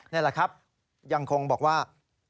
นี่แหละครับยังคงบอกว่า